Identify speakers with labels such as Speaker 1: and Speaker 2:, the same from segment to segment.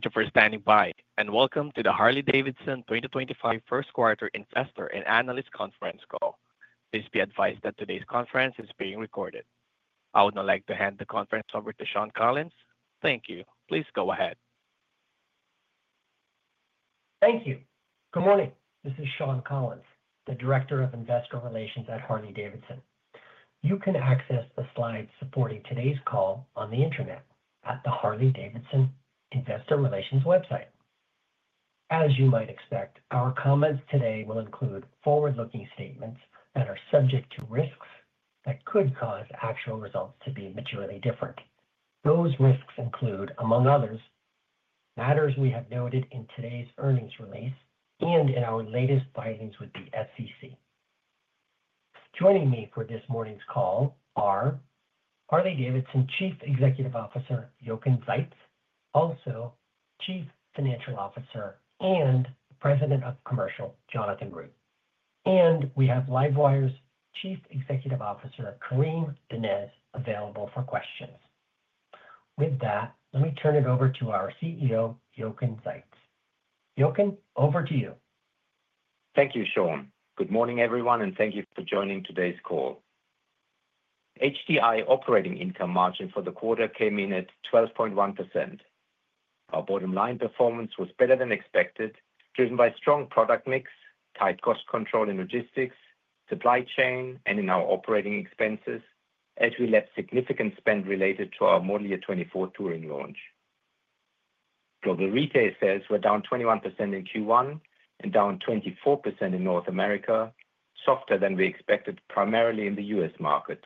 Speaker 1: Thank you for standing by, and welcome to the Harley-Davidson 2025 Q1 Investor and Analyst Conference Call. Please be advised that today's conference is being recorded. I would now like to hand the conference over to Shawn Collins. Thank you. Please go ahead.
Speaker 2: Thank you. Good morning. This is Shawn Collins, the Director of Investor Relations at Harley-Davidson. You can access the slides supporting today's call on the internet at the Harley-Davidson Investor Relations website. As you might expect, our comments today will include forward-looking statements that are subject to risks that could cause actual results to be materially different. Those risks include, among others, matters we have noted in today's earnings release and in our latest filings with the SEC. Joining me for this morning's call are Harley-Davidson CEO Jochen Zeitz, also CFO and President of Commercial, Jonathan Root. We have LiveWire's Chief Executive Officer, Karim Donnez, available for questions. With that, let me turn it over to our CEO, Jochen Zeitz. Jochen, over to you.
Speaker 3: Thank you, Shawn. Good morning, everyone, and thank you for joining today's call. HDI operating income margin for the quarter came in at 12.1%. Our bottom line performance was better than expected, driven by strong product mix, tight cost control in logistics, supply chain, and in our operating expenses, as we left significant spend related to our model year 2024 touring launch. Global retail sales were down 21% in Q1 and down 24% in North America, softer than we expected primarily in the U.S. market,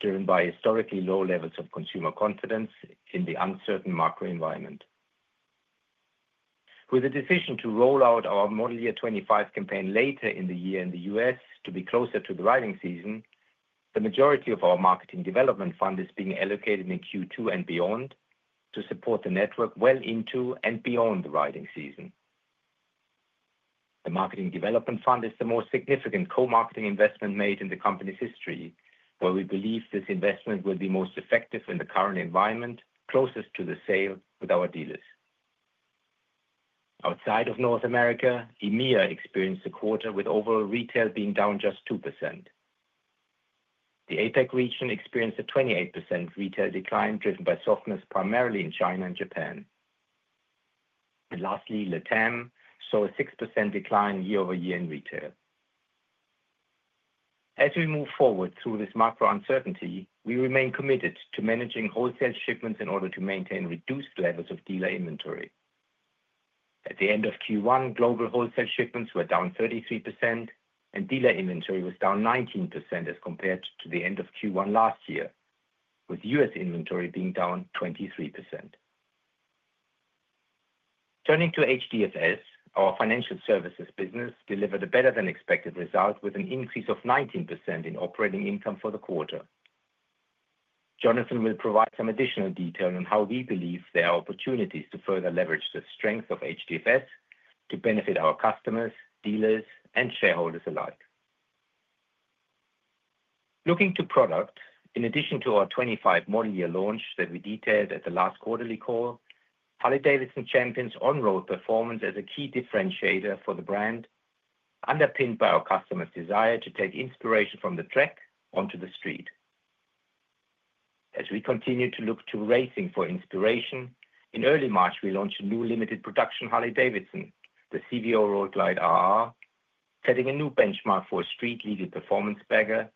Speaker 3: driven by historically low levels of consumer confidence in the uncertain macro environment. With the decision to roll out our model year 2025 campaign later in the year in the U.S. to be closer to the riding season, the majority of our Marketing Development Fund is being allocated in Q2 and beyond to support the network well into and beyond the riding season. The Marketing Development Fund is the most significant co-marketing investment made in the company's history, where we believe this investment will be most effective in the current environment closest to the sale with our dealers. Outside of North America, EMEA experienced the quarter with overall retail being down just 2%. The APAC region experienced a 28% retail decline driven by softness primarily in China and Japan. Lastly, LATAM saw a 6% decline year-over-year in retail. As we move forward through this macro uncertainty, we remain committed to managing wholesale shipments in order to maintain reduced levels of dealer inventory. At the end of Q1, global wholesale shipments were down 33%, and dealer inventory was down 19% as compared to the end of Q1 last year, with U.S. inventory being down 23%. Turning to HDFS, our financial services business delivered a better than expected result with an increase of 19% in operating income for the quarter. Jonathan will provide some additional detail on how we believe there are opportunities to further leverage the strength of HDFS to benefit our customers, dealers, and shareholders alike. Looking to product, in addition to our 2025 model year launch that we detailed at the last quarterly call, Harley-Davidson champions on-road performance as a key differentiator for the brand, underpinned by our customers' desire to take inspiration from the track onto the street. As we continue to look to racing for inspiration, in early March, we launched a new limited production Harley-Davidson, the CVO Road Glide RR, setting a new benchmark for a street-legal performance bagger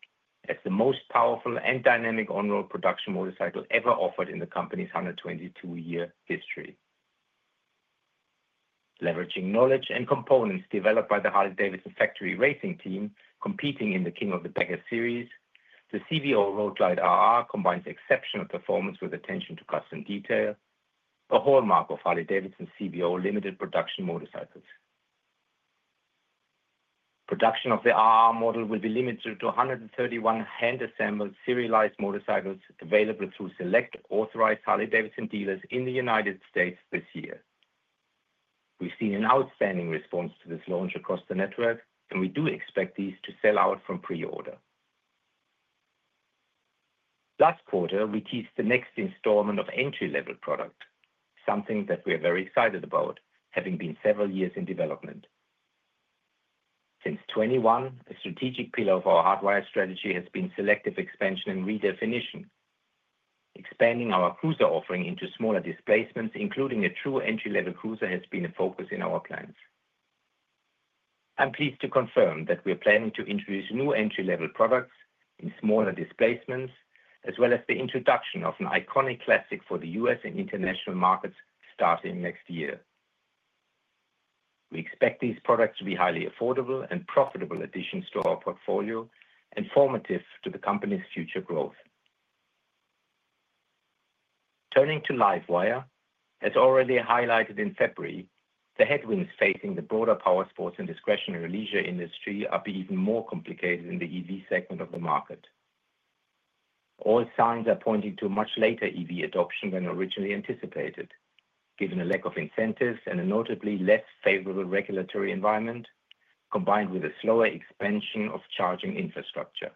Speaker 3: as the most powerful and dynamic on-road production motorcycle ever offered in the company's 122-year history. Leveraging knowledge and components developed by the Harley-Davidson Factory Racing Team competing in the King of the Baggers series, the CVO Road Glide RR combines exceptional performance with attention to custom detail, a hallmark of Harley-Davidson's CVO limited production motorcycles. Production of the RR model will be limited to 131 hand-assembled serialized motorcycles available through select authorized Harley-Davidson dealers in the United States this year. We've seen an outstanding response to this launch across the network, and we do expect these to sell out from pre-order. Last quarter, we teased the next installment of entry-level product, something that we are very excited about, having been several years in development. Since 2021, a strategic pillar of our Hardwire strategy has been selective expansion and redefinition. Expanding our cruiser offering into smaller displacements, including a true entry-level cruiser, has been a focus in our plans. I'm pleased to confirm that we are planning to introduce new entry-level products in smaller displacements, as well as the introduction of an iconic classic for the U.S. and international markets starting next year. We expect these products to be highly affordable and profitable additions to our portfolio and formative to the company's future growth. Turning to LiveWire, as already highlighted in February, the headwinds facing the broader powersports and discretionary leisure industry are even more complicated in the EV segment of the market. All signs are pointing to a much later EV adoption than originally anticipated, given a lack of incentives and a notably less favorable regulatory environment, combined with a slower expansion of charging infrastructure.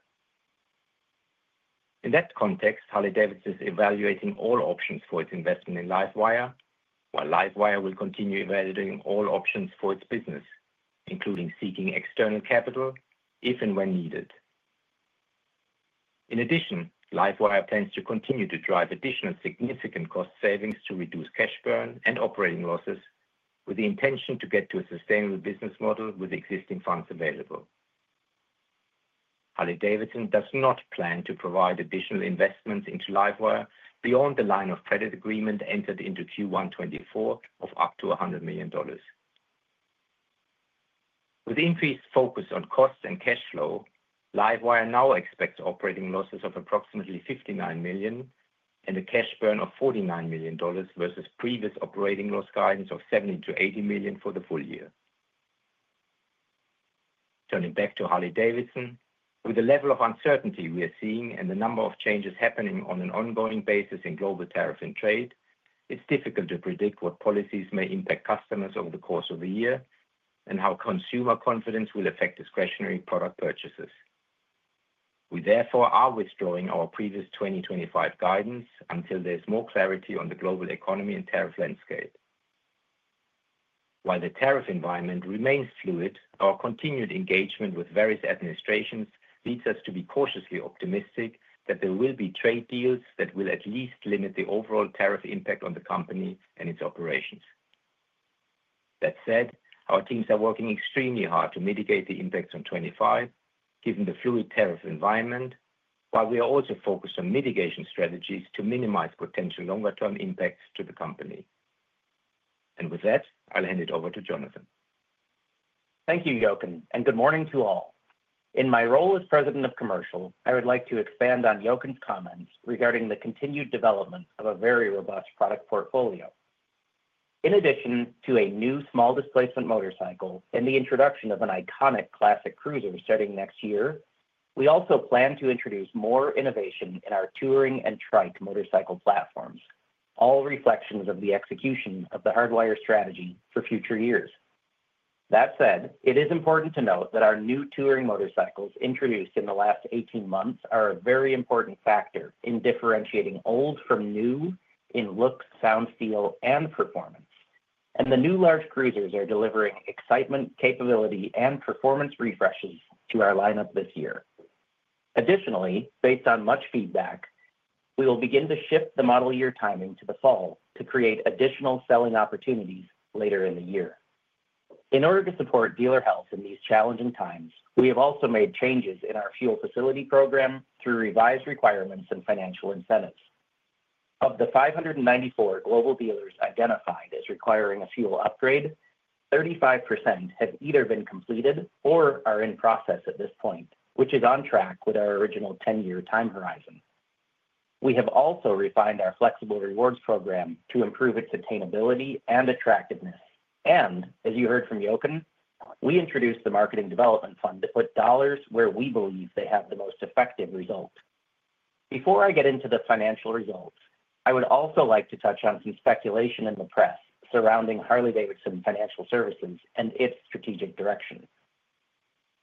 Speaker 3: In that context, Harley-Davidson is evaluating all options for its investment in LiveWire, while LiveWire will continue evaluating all options for its business, including seeking external capital if and when needed. In addition, LiveWire plans to continue to drive additional significant cost savings to reduce cash burn and operating losses, with the intention to get to a sustainable business model with existing funds available. Harley-Davidson does not plan to provide additional investments into LiveWire beyond the line of credit agreement entered into in Q1 2024 of up to $100 million. With increased focus on costs and cash flow, LiveWire now expects operating losses of approximately $59 million and a cash burn of $49 million versus previous operating loss guidance of $70 million-$80 million for the full year. Turning back to Harley-Davidson, with the level of uncertainty we are seeing and the number of changes happening on an ongoing basis in global tariff and trade, it is difficult to predict what policies may impact customers over the course of the year and how consumer confidence will affect discretionary product purchases. We therefore are withdrawing our previous 2025 guidance until there is more clarity on the global economy and tariff landscape. While the tariff environment remains fluid, our continued engagement with various administrations leads us to be cautiously optimistic that there will be trade deals that will at least limit the overall tariff impact on the company and its operations. That said, our teams are working extremely hard to mitigate the impacts on 2025, given the fluid tariff environment, while we are also focused on mitigation strategies to minimize potential longer-term impacts to the company. With that, I will hand it over to Jonathan.
Speaker 4: Thank you, Jochen, and good morning to all. In my role as President of Commercial, I would like to expand on Jochen's comments regarding the continued development of a very robust product portfolio. In addition to a new small displacement motorcycle and the introduction of an iconic classic cruiser starting next year, we also plan to introduce more innovation in our Touring and Trike motorcycle platforms, all reflections of the execution of The Hardwire strategy for future years. That said, it is important to note that our new touring motorcycles introduced in the last 18 months are a very important factor in differentiating old from new in look, sound, feel, and performance, and the new large cruisers are delivering excitement, capability, and performance refreshes to our lineup this year. Additionally, based on much feedback, we will begin to shift the model year timing to the fall to create additional selling opportunities later in the year. In order to support dealer health in these challenging times, we have also made changes in our Fuel Facility Program through revised requirements and financial incentives. Of the 594 global dealers identified as requiring a fuel upgrade, 35% have either been completed or are in process at this point, which is on track with our original 10-year time horizon. We have also refined our flexible rewards program to improve its attainability and attractiveness, and as you heard from Jochen, we introduced the Marketing Development Fund to put dollars where we believe they have the most effective result. Before I get into the financial results, I would also like to touch on some speculation in the press surrounding Harley-Davidson Financial Services and its strategic direction.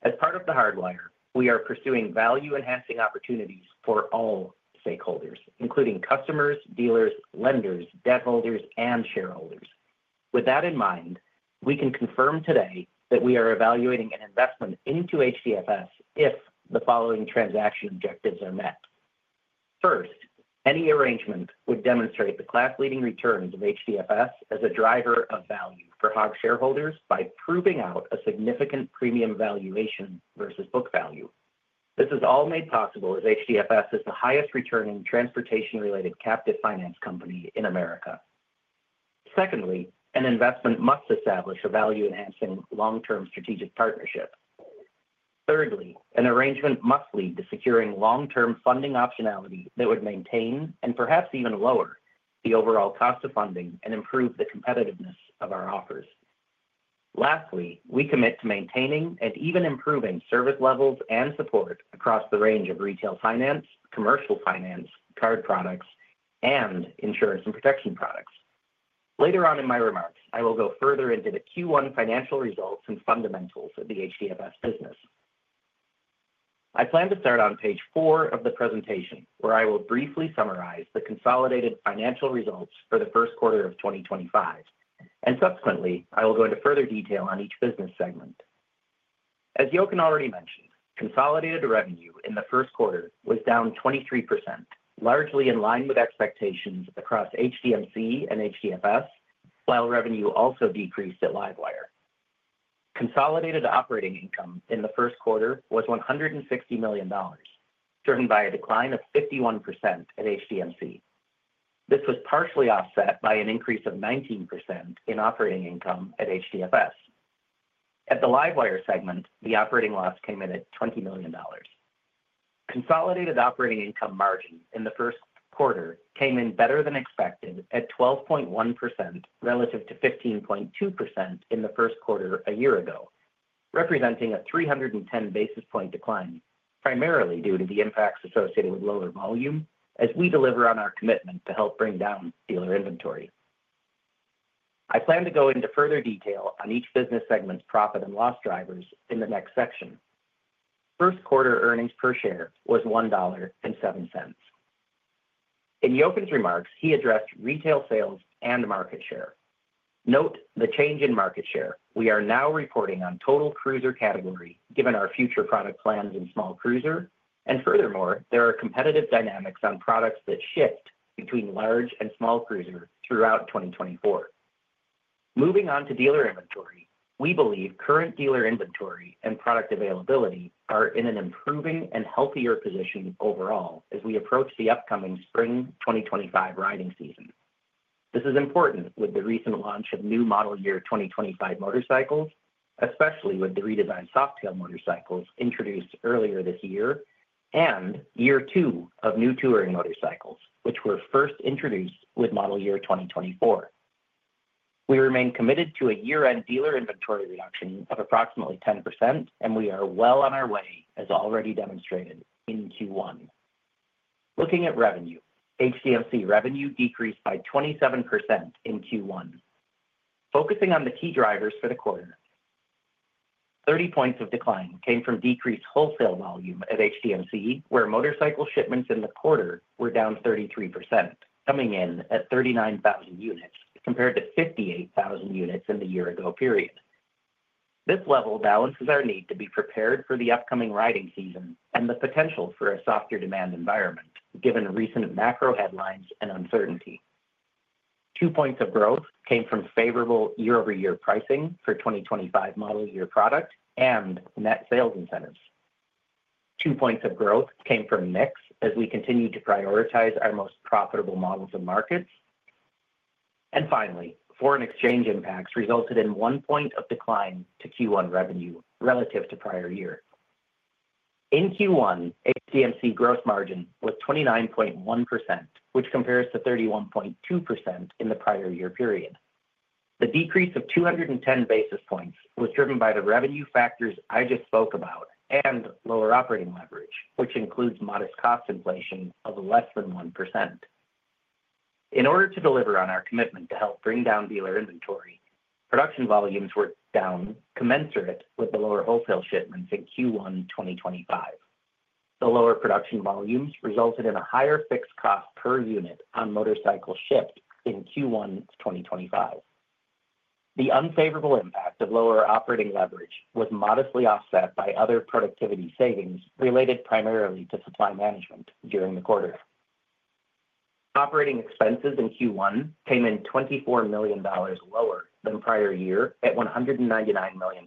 Speaker 4: As part of The Hardwire, we are pursuing value-enhancing opportunities for all stakeholders, including customers, dealers, lenders, debt holders, and shareholders. With that in mind, we can confirm today that we are evaluating an investment into HDFS if the following transaction objectives are met. First, any arrangement would demonstrate the class-leading returns of HDFS as a driver of value for HOG shareholders by proving out a significant premium valuation versus book value. This is all made possible as HDFS is the highest-returning transportation-related captive finance company in America. Secondly, an investment must establish a value-enhancing long-term strategic partnership. Thirdly, an arrangement must lead to securing long-term funding optionality that would maintain and perhaps even lower the overall cost of funding and improve the competitiveness of our offers. Lastly, we commit to maintaining and even improving service levels and support across the range of retail finance, commercial finance, card products, and insurance and protection products. Later on in my remarks, I will go further into the Q1 financial results and fundamentals of the HDFS business. I plan to start on page four of the presentation, where I will briefly summarize the consolidated financial results for the Q1 of 2025, and subsequently, I will go into further detail on each business segment. As Jochen already mentioned, consolidated revenue in the Q1 was down 23%, largely in line with expectations across HDMC and HDFS, while revenue also decreased at LiveWire. Consolidated operating income in the Q1 was $160 million, driven by a decline of 51% at HDMC. This was partially offset by an increase of 19% in operating income at HDFS. At the LiveWire segment, the operating loss came in at $20 million. Consolidated operating income margin in the Q1 came in better than expected at 12.1% relative to 15.2% in the Q1 a year ago, representing a 310 basis point decline, primarily due to the impacts associated with lower volume, as we deliver on our commitment to help bring down dealer inventory. I plan to go into further detail on each business segment's profit and loss drivers in the next section. Q1 earnings per share was $1.07. In Jochen's remarks, he addressed retail sales and market share. Note the change in market share we are now reporting on total cruiser category, given our future product plans in small cruiser, and furthermore, there are competitive dynamics on products that shift between large and small cruiser throughout 2024. Moving on to dealer inventory, we believe current dealer inventory and product availability are in an improving and healthier position overall as we approach the upcoming spring 2025 riding season. This is important with the recent launch of new model year 2025 motorcycles, especially with the redesigned Softail motorcycles introduced earlier this year and year two of new Touring motorcycles, which were first introduced with model year 2024. We remain committed to a year-end dealer inventory reduction of approximately 10%, and we are well on our way, as already demonstrated in Q1. Looking at revenue, HDFS revenue decreased by 27% in Q1. Focusing on the key drivers for the quarter, 30 percentage points of decline came from decreased wholesale volume at HDMC, where motorcycle shipments in the quarter were down 33%, coming in at 39,000 units compared to 58,000 units in the year-ago period. This level balances our need to be prepared for the upcoming riding season and the potential for a softer demand environment, given recent macro headlines and uncertainty. Two points of growth came from favorable year-over-year pricing for 2025 model year product and net sales incentives. Two points of growth came from mix as we continued to prioritize our most profitable models and markets. Finally, foreign exchange impacts resulted in one point of decline to Q1 revenue relative to prior year. In Q1, HDMC gross margin was 29.1%, which compares to 31.2% in the prior year period. The decrease of 210 basis points was driven by the revenue factors I just spoke about and lower operating leverage, which includes modest cost inflation of less than 1%. In order to deliver on our commitment to help bring down dealer inventory, production volumes were down commensurate with the lower wholesale shipments in Q1 2025. The lower production volumes resulted in a higher fixed cost per unit on motorcycle shipped in Q1 2025. The unfavorable impact of lower operating leverage was modestly offset by other productivity savings related primarily to supply management during the quarter. Operating expenses in Q1 came in $24 million lower than prior year at $199 million,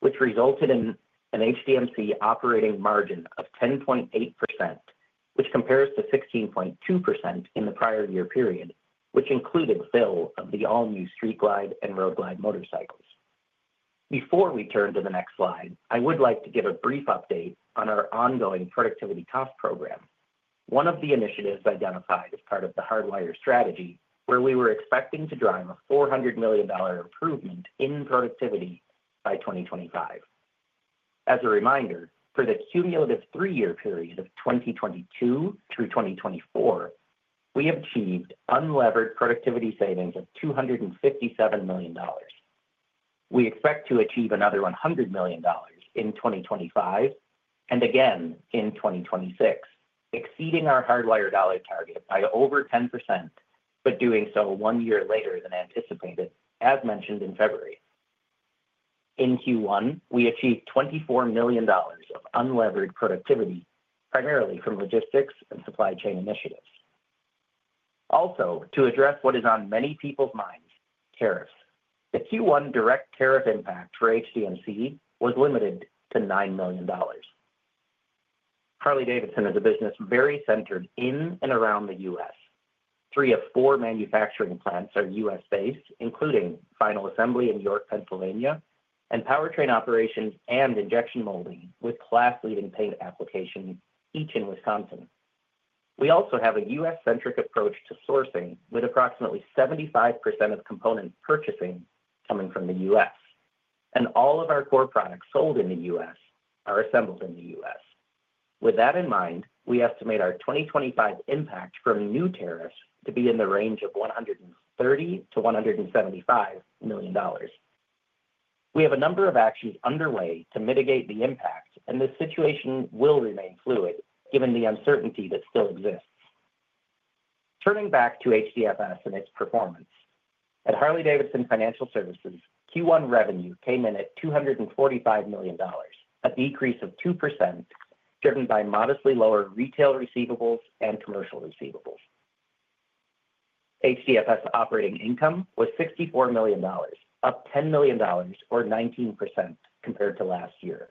Speaker 4: which resulted in an HDMC operating margin of 10.8%, which compares to 16.2% in the prior year period, which included fill of the all-new Street Glide and Road Glide motorcycles. Before we turn to the next slide, I would like to give a brief update on our ongoing productivity cost program, one of the initiatives identified as part of The Hardwire strategy, where we were expecting to drive a $400 million improvement in productivity by 2025. As a reminder, for the cumulative three-year period of 2022 through 2024, we have achieved unlevered productivity savings of $257 million. We expect to achieve another $100 million in 2025 and again in 2026, exceeding our Hardwire dollar target by over 10%, but doing so one year later than anticipated, as mentioned in February. In Q1, we achieved $24 million of unlevered productivity, primarily from logistics and supply chain initiatives. Also, to address what is on many people's minds, tariffs. The Q1 direct tariff impact for HDMC was limited to $9 million. Harley-Davidson is a business very centered in and around the U.S. Three of four manufacturing plants are U.S.-based, including final assembly in York, Pennsylvania, and powertrain operations and injection molding with class-leading paint application, each in Wisconsin. We also have a U.S.-centric approach to sourcing, with approximately 75% of component purchasing coming from the U.S., and all of our core products sold in the U.S. are assembled in the U.S. With that in mind, we estimate our 2025 impact from new tariffs to be in the range of $130 million-$175 million. We have a number of actions underway to mitigate the impact, and this situation will remain fluid, given the uncertainty that still exists. Turning back to HDFS and its performance, at Harley-Davidson Financial Services, Q1 revenue came in at $245 million, a decrease of 2%, driven by modestly lower retail receivables and commercial receivables. HDFS operating income was $64 million, up $10 million, or 19%, compared to last year.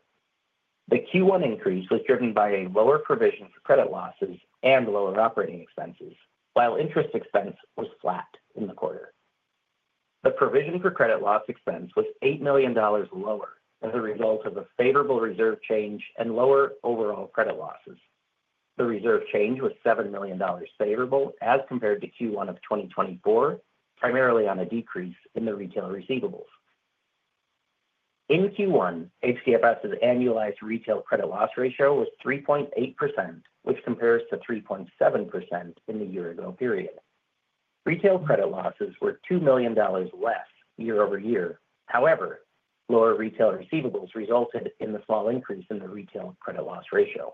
Speaker 4: The Q1 increase was driven by a lower provision for credit losses and lower operating expenses, while interest expense was flat in the quarter. The provision for credit loss expense was $8 million lower as a result of a favorable reserve change and lower overall credit losses. The reserve change was $7 million favorable as compared to Q1 of 2024, primarily on a decrease in the retail receivables. In Q1, HDFS's annualized retail credit loss ratio was 3.8%, which compares to 3.7% in the year-ago period. Retail credit losses were $2 million less year-over-year. However, lower retail receivables resulted in the small increase in the retail credit loss ratio.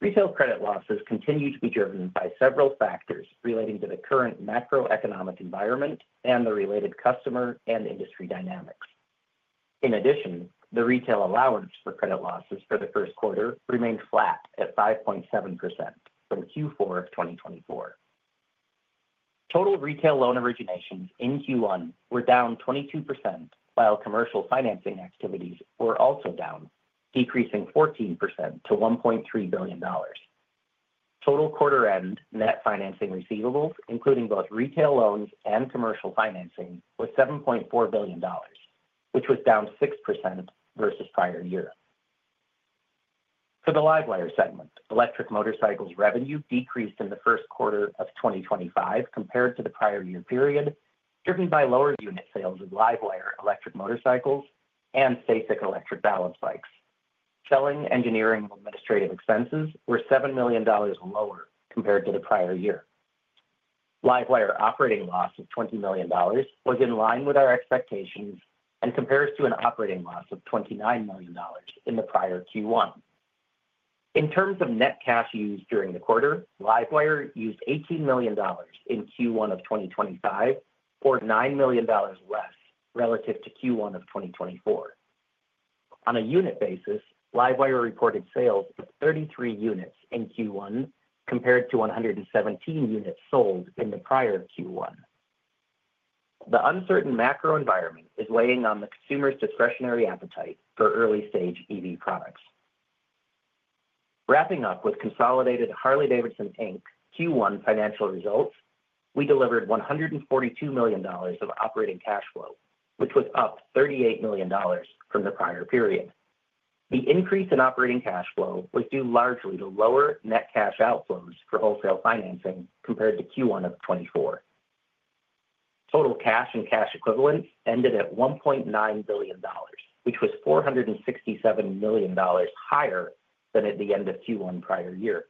Speaker 4: Retail credit losses continue to be driven by several factors relating to the current macroeconomic environment and the related customer and industry dynamics. In addition, the retail allowance for credit losses for the Q1 remained flat at 5.7% from Q4 of 2024. Total retail loan originations in Q1 were down 22%, while commercial financing activities were also down, decreasing 14% to $1.3 billion. Total quarter-end net financing receivables, including both retail loans and commercial financing, was $7.4 billion, which was down 6% versus prior year. For the LiveWire segment, electric motorcycles revenue decreased in the Q1 of 2025 compared to the prior year period, driven by lower unit sales of LiveWire electric motorcycles and STACYC electric balance bikes. Selling, engineering, and administrative expenses were $7 million lower compared to the prior year. LiveWire operating loss of $20 million was in line with our expectations and compares to an operating loss of $29 million in the prior Q1. In terms of net cash used during the quarter, LiveWire used $18 million in Q1 of 2025, or $9 million less relative to Q1 of 2024. On a unit basis, LiveWire reported sales of 33 units in Q1 compared to 117 units sold in the prior Q1. The uncertain macro environment is weighing on the consumer's discretionary appetite for early-stage EV products. Wrapping up with consolidated Harley-Davidson Q1 financial results, we delivered $142 million of operating cash flow, which was up $38 million from the prior period. The increase in operating cash flow was due largely to lower net cash outflows for wholesale financing compared to Q1 of 2024. Total cash and cash equivalents ended at $1.9 billion, which was $467 million higher than at the end of Q1 prior year.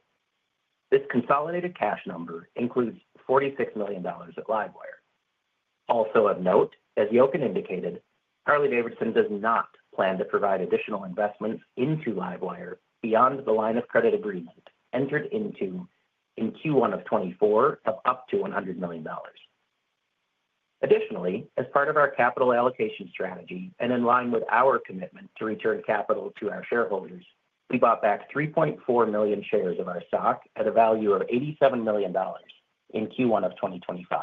Speaker 4: This consolidated cash number includes $46 million at LiveWire. Also of note, as Jochen indicated, Harley-Davidson does not plan to provide additional investments into LiveWire beyond the line of credit agreement entered into in Q1 of 2024 of up to $100 million. Additionally, as part of our capital allocation strategy and in line with our commitment to return capital to our shareholders, we bought back 3.4 million shares of our stock at a value of $87 million in Q1 of 2025.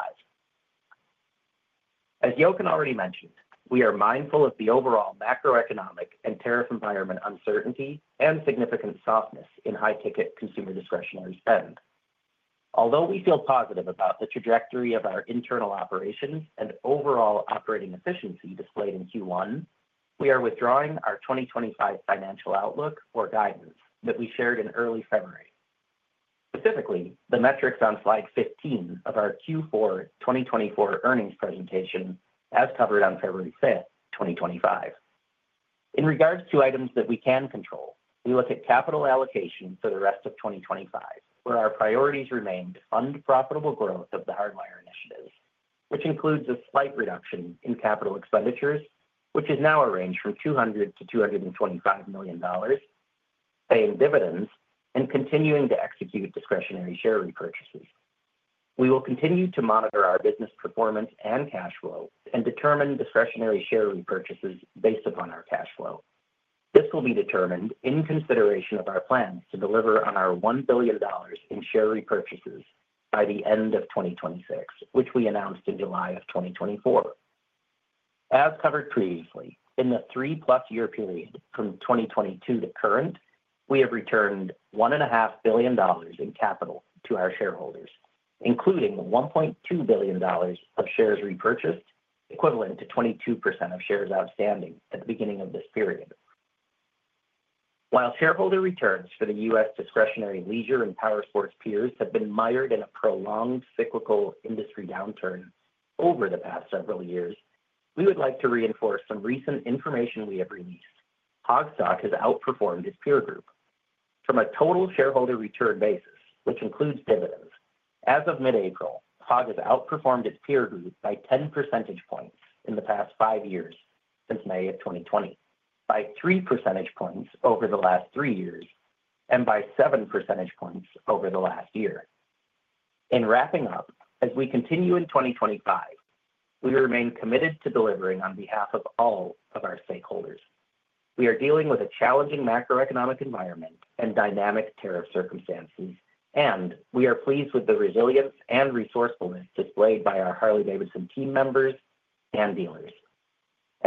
Speaker 4: As Jochen already mentioned, we are mindful of the overall macroeconomic and tariff environment uncertainty and significant softness in high-ticket consumer discretionary spend. Although we feel positive about the trajectory of our internal operations and overall operating efficiency displayed in Q1, we are withdrawing our 2025 financial outlook or guidance that we shared in early February. Specifically, the metrics on slide 15 of our Q4 2024 earnings presentation as covered on February 5th, 2025. In regards to items that we can control, we look at capital allocation for the rest of 2025, where our priorities remain to fund profitable growth of the Hardwire initiatives, which includes a slight reduction in capital expenditures, which is now ranged from $200 million-$225 million, paying dividends and continuing to execute discretionary share repurchases. We will continue to monitor our business performance and cash flow and determine discretionary share repurchases based upon our cash flow. This will be determined in consideration of our plans to deliver on our $1 billion in share repurchases by the end of 2026, which we announced in July of 2024. As covered previously, in the three-plus year period from 2022 to current, we have returned $1.5 billion in capital to our shareholders, including $1.2 billion of shares repurchased, equivalent to 22% of shares outstanding at the beginning of this period. While shareholder returns for the U.S. discretionary leisure and powersports peers have been mired in a prolonged cyclical industry downturn over the past several years, we would like to reinforce some recent information we have released. Harley-Davidson has outperformed its peer group. From a total shareholder return basis, which includes dividends, as of mid-April, Harley-Davidson has outperformed its peer group by 10 percentage points in the past five years since May of 2020, by 3 percentage points over the last three years, and by 7 percentage points over the last year. In wrapping up, as we continue in 2025, we remain committed to delivering on behalf of all of our stakeholders. We are dealing with a challenging macroeconomic environment and dynamic tariff circumstances, and we are pleased with the resilience and resourcefulness displayed by our Harley-Davidson team members and dealers.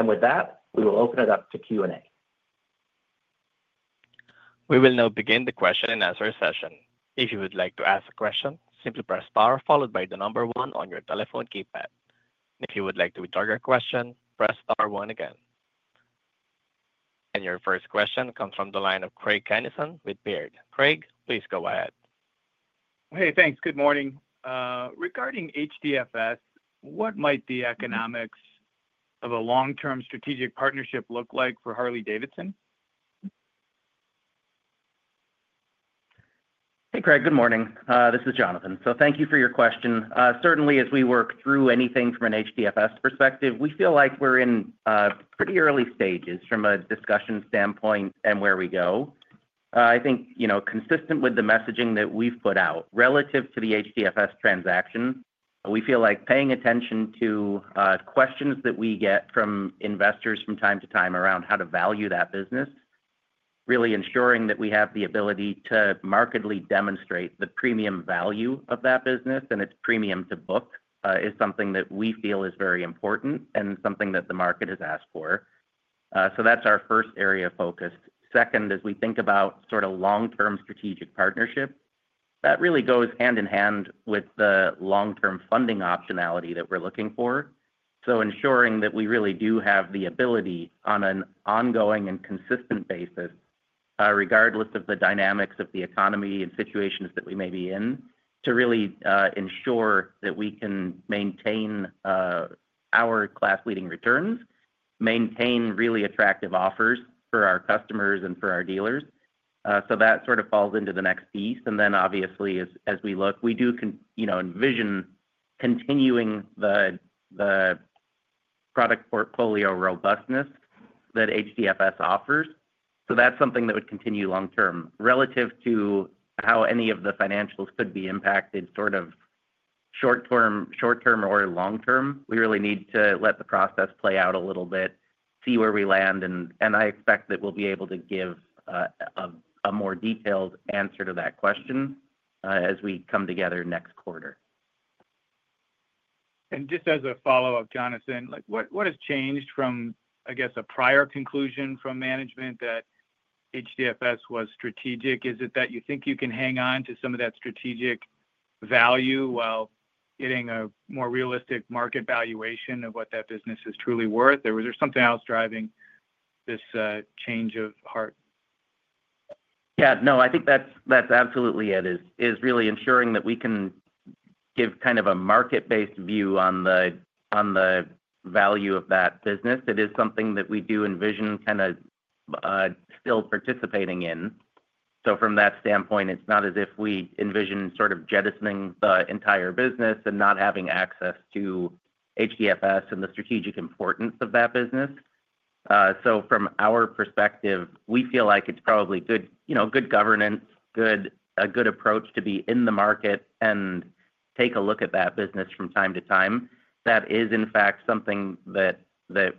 Speaker 4: With that, we will open it up to Q&A.
Speaker 1: We will now begin the question and answer session. If you would like to ask a question, simply press star followed by the number one on your telephone keypad. If you would like to withdraw your question, press star one again. Your first question comes from the line of Craig Kennison with Baird. Craig, please go ahead.
Speaker 5: Hey, thanks. Good morning. Regarding HDFS, what might the economics of a long-term strategic partnership look like for Harley-Davidson?
Speaker 4: Hey, Craig, good morning. This is Jonathan. Thank you for your question. Certainly, as we work through anything from an HDFS perspective, we feel like we're in pretty early stages from a discussion standpoint and where we go. I think, you know, consistent with the messaging that we've put out relative to the HDFS transaction, we feel like paying attention to questions that we get from investors from time to time around how to value that business, really ensuring that we have the ability to markedly demonstrate the premium value of that business and its premium to book is something that we feel is very important and something that the market has asked for. That's our first area of focus. Second, as we think about sort of long-term strategic partnership, that really goes hand in hand with the long-term funding optionality that we're looking for. Ensuring that we really do have the ability on an ongoing and consistent basis, regardless of the dynamics of the economy and situations that we may be in, to really ensure that we can maintain our class-leading returns, maintain really attractive offers for our customers and for our dealers. That sort of falls into the next piece. Obviously, as we look, we do envision continuing the product portfolio robustness that HDFS offers. That is something that would continue long-term. Relative to how any of the financials could be impacted, short-term or long-term, we really need to let the process play out a little bit, see where we land. I expect that we will be able to give a more detailed answer to that question as we come together next quarter.
Speaker 5: Just as a follow-up, Jonathan, what has changed from, I guess, a prior conclusion from management that HDFS was strategic? Is it that you think you can hang on to some of that strategic value while getting a more realistic market valuation of what that business is truly worth? Is there something else driving this change of heart?
Speaker 4: Yeah, no, I think that's absolutely it, is really ensuring that we can give kind of a market-based view on the value of that business. It is something that we do envision kind of still participating in. From that standpoint, it's not as if we envision sort of jettisoning the entire business and not having access to HDFS and the strategic importance of that business. From our perspective, we feel like it's probably good governance, a good approach to be in the market and take a look at that business from time to time. That is, in fact, something that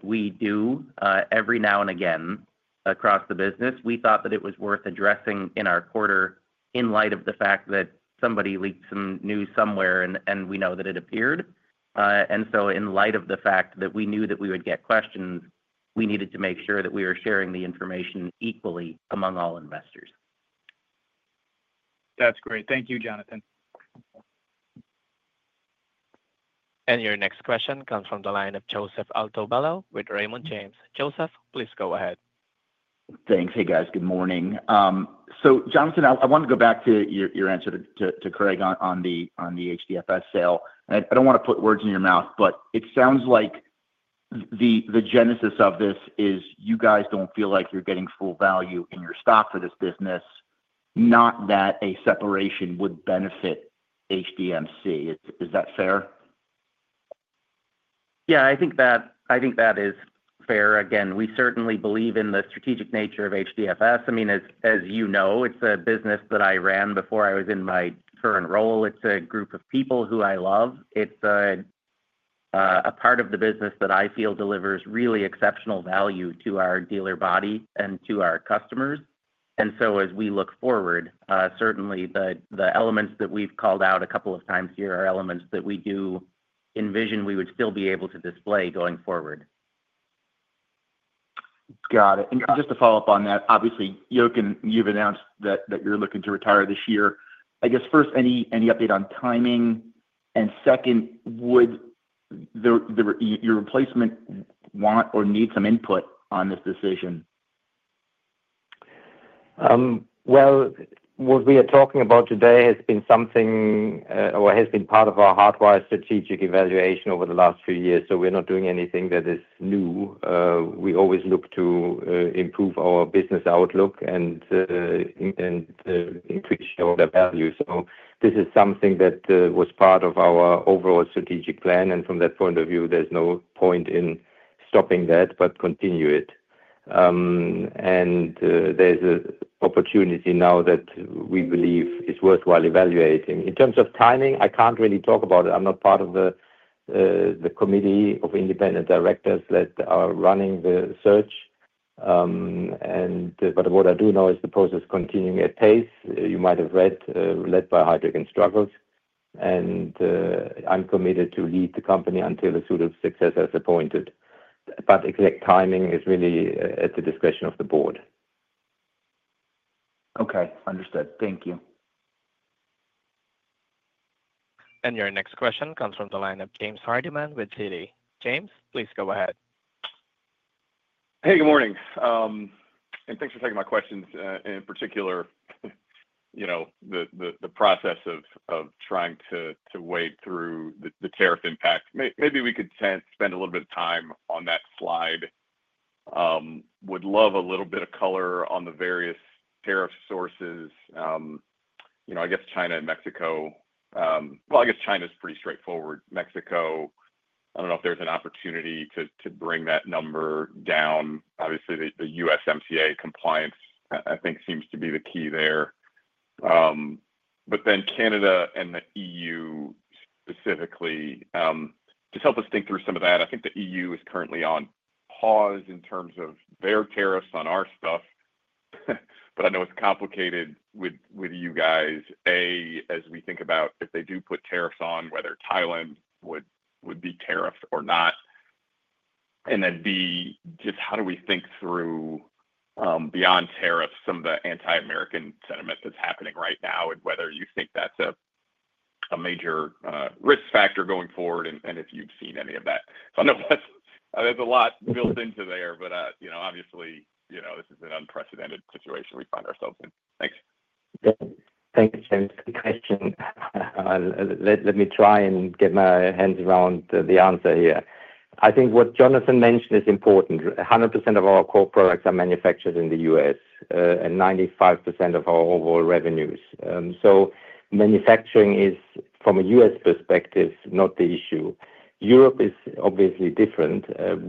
Speaker 4: we do every now and again across the business. We thought that it was worth addressing in our quarter in light of the fact that somebody leaked some news somewhere and we know that it appeared. In light of the fact that we knew that we would get questions, we needed to make sure that we were sharing the information equally among all investors.
Speaker 5: That's great. Thank you, Jonathan.
Speaker 1: Your next question comes from the line of Joseph Altobello with Raymond James. Joseph, please go ahead.
Speaker 6: Thanks. Hey, guys, good morning. Jonathan, I want to go back to your answer to Craig on the HDFS sale. I don't want to put words in your mouth, but it sounds like the genesis of this is you guys don't feel like you're getting full value in your stock for this business, not that a separation would benefit HDMC. Is that fair?
Speaker 4: Yeah, I think that is fair. Again, we certainly believe in the strategic nature of HDFS. I mean, as you know, it's a business that I ran before I was in my current role. It's a group of people who I love. It's a part of the business that I feel delivers really exceptional value to our dealer body and to our customers. As we look forward, certainly the elements that we've called out a couple of times here are elements that we do envision we would still be able to display going forward.
Speaker 6: Got it. Just to follow up on that, obviously, Jochen, you've announced that you're looking to retire this year. I guess first, any update on timing? Second, would your replacement want or need some input on this decision?
Speaker 3: What we are talking about today has been something or has been part of our Hardwire strategic evaluation over the last few years. We're not doing anything that is new. We always look to improve our business outlook and to show the value. This is something that was part of our overall strategic plan. From that point of view, there's no point in stopping that but continue it. There's an opportunity now that we believe is worthwhile evaluating. In terms of timing, I can't really talk about it. I'm not part of the committee of independent directors that are running the search. What I do know is the process continuing at pace. You might have read, led by Heidrick & Struggles. I am committed to lead the company until the suite of success has appointed. Exact timing is really at the discretion of the board.
Speaker 6: Okay. Understood. Thank you.
Speaker 1: Your next question comes from the line of James Hardiman with Citi. James, please go ahead.
Speaker 7: Hey, good morning. Thanks for taking my questions. In particular, the process of trying to wade through the tariff impact. Maybe we could spend a little bit of time on that slide. Would love a little bit of color on the various tariff sources. I guess China and Mexico. I guess China is pretty straightforward. Mexico, I do not know if there is an opportunity to bring that number down. Obviously, the USMCA compliance, I think, seems to be the key there. Then Canada and the EU specifically, just help us think through some of that. I think the EU is currently on pause in terms of their tariffs on our stuff. I know it's complicated with you guys. As we think about if they do put tariffs on, whether Thailand would be tariffed or not. B, just how do we think through beyond tariffs, some of the anti-American sentiment that's happening right now and whether you think that's a major risk factor going forward and if you've seen any of that. I know there's a lot built into there, but obviously, this is an unprecedented situation we find ourselves in. Thanks.
Speaker 3: Thank you, James. Good question. Let me try and get my hands around the answer here. I think what Jonathan mentioned is important. 100% of our core products are manufactured in the U.S. and 95% of our overall revenues. Manufacturing is, from a U.S. perspective, not the issue. Europe is obviously different.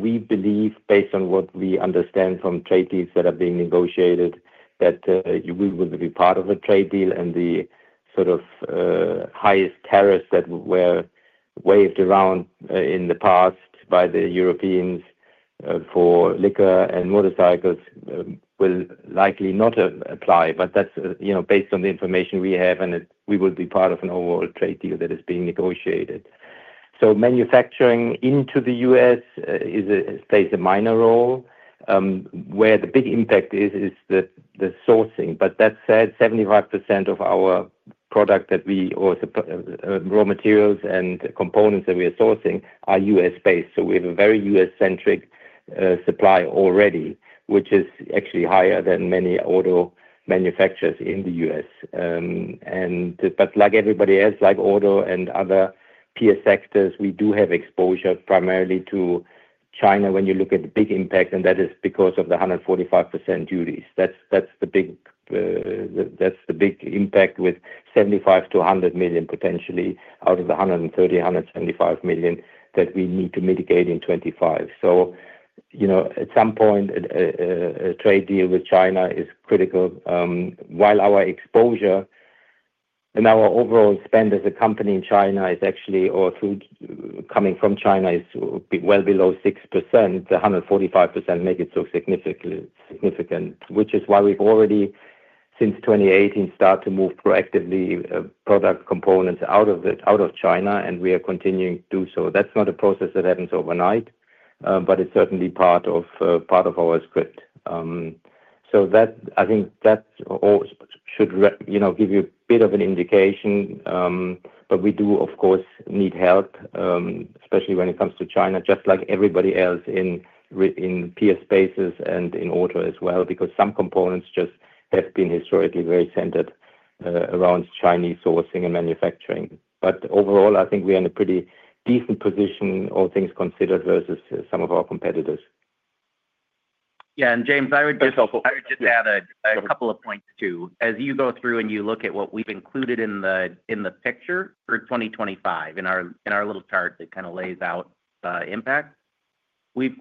Speaker 3: We believe, based on what we understand from trade deals that are being negotiated, that we will be part of a trade deal. The sort of highest tariffs that were waved around in the past by the Europeans for liquor and motorcycles will likely not apply. That is based on the information we have, and we will be part of an overall trade deal that is being negotiated. Manufacturing into the U.S. plays a minor role. Where the big impact is, is the sourcing. That said, 75% of our product or raw materials and components that we are sourcing are U.S.-based. We have a very U.S.-centric supply already, which is actually higher than many auto manufacturers in the U.S. Like everybody else, like auto and other peer sectors, we do have exposure primarily to China when you look at the big impact. That is because of the 145% duties. That is the big impact with $75 million-$100 million potentially out of the $130 million-$175 million that we need to mitigate in 2025. At some point, a trade deal with China is critical. While our exposure and our overall spend as a company in China or coming from China is well below 6%, the 145% makes it so significant, which is why we have already, since 2018, started to move proactively product components out of China, and we are continuing to do so. That is not a process that happens overnight, but it is certainly part of our script. I think that should give you a bit of an indication. We do, of course, need help, especially when it comes to China, just like everybody else in peer spaces and in auto as well, because some components just have been historically very centered around Chinese sourcing and manufacturing. Overall, I think we are in a pretty decent position, all things considered, versus some of our competitors.
Speaker 4: Yeah. James, I would just add a couple of points too. As you go through and you look at what we've included in the picture for 2025 in our little chart that kind of lays out impact, we've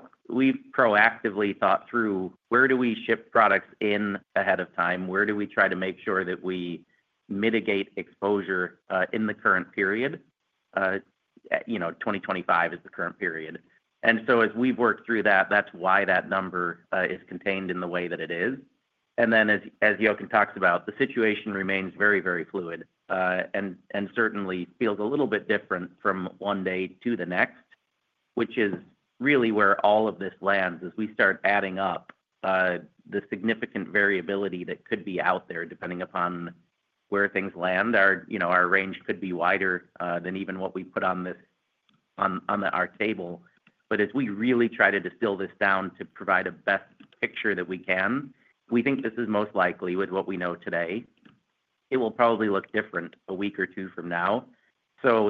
Speaker 4: proactively thought through where do we ship products in ahead of time, where do we try to make sure that we mitigate exposure in the current period. 2025 is the current period. As we've worked through that, that's why that number is contained in the way that it is. As Jochen talks about, the situation remains very, very fluid and certainly feels a little bit different from one day to the next, which is really where all of this lands as we start adding up the significant variability that could be out there depending upon where things land. Our range could be wider than even what we put on our table. As we really try to distill this down to provide a best picture that we can, we think this is most likely with what we know today. It will probably look different a week or two from now.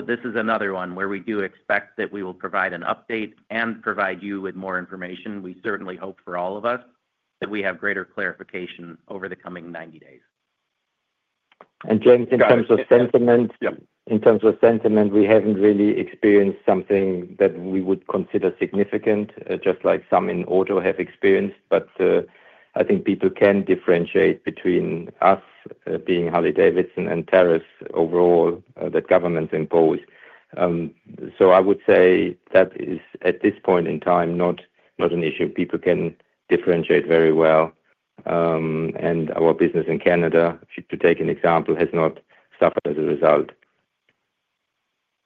Speaker 4: This is another one where we do expect that we will provide an update and provide you with more information. We certainly hope for all of us that we have greater clarification over the coming 90 days.
Speaker 3: James, in terms of sentiment, we haven't really experienced something that we would consider significant, just like some in auto have experienced. I think people can differentiate between us being Harley-Davidson and tariffs overall that governments impose. I would say that is, at this point in time, not an issue. People can differentiate very well. Our business in Canada, to take an example, has not suffered as a result.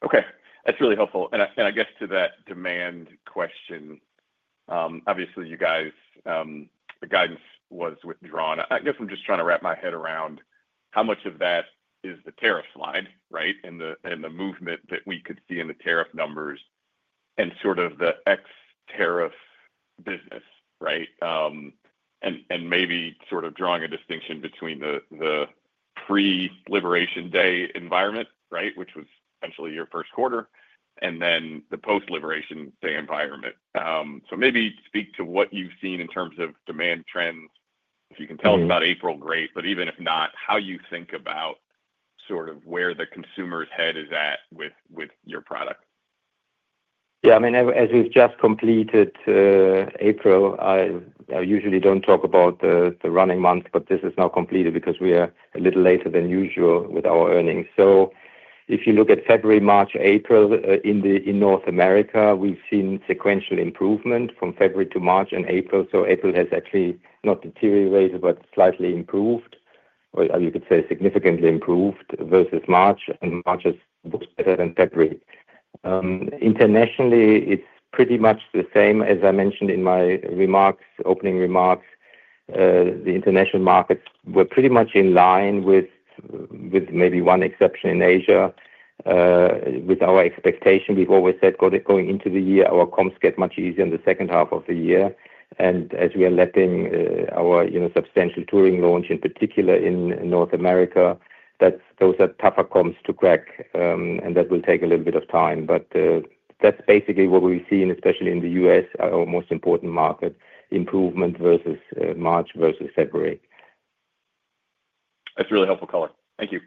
Speaker 7: Okay. That's really helpful. I guess to that demand question, obviously, you guys, the guidance was withdrawn. I guess I'm just trying to wrap my head around how much of that is the tariff slide, right, and the movement that we could see in the tariff numbers and sort of the ex-tariff business, right, and maybe sort of drawing a distinction between the pre-liberation day environment, right, which was essentially your Q1, and then the post-liberation day environment. Maybe speak to what you've seen in terms of demand trends. If you can tell us about April, great. Even if not, how you think about sort of where the consumer's head is at with your product.
Speaker 3: Yeah. I mean, as we've just completed April, I usually don't talk about the running month, but this is now completed because we are a little later than usual with our earnings. If you look at February, March, April in North America, we've seen sequential improvement from February to March and April. April has actually not deteriorated but slightly improved, or you could say significantly improved versus March, and March is better than February. Internationally, it's pretty much the same, as I mentioned in my opening remarks, the international markets were pretty much in line with maybe one exception in Asia. With our expectation, we've always said going into the year, our comps get much easier in the second half of the year. As we are letting our substantial touring launch in particular in North America, those are tougher comps to crack, and that will take a little bit of time. That's basically what we've seen, especially in the U.S., our most important market, improvement versus March versus February.
Speaker 7: That's really helpful color. Thank you.